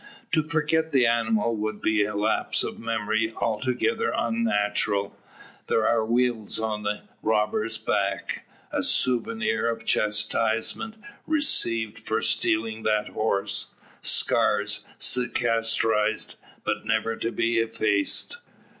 To forget the animal would be a lapse of memory altogether unnatural. There are weals on the robber's back, a souvenir of chastisement received for stealing that horse, scars cicatrised, but never to be effaced.